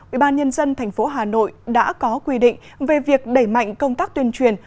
ubnd tp hà nội đã có quy định về việc đẩy mạnh công tác tuyên truyền